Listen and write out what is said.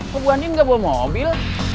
kok buandien gak bawa mobil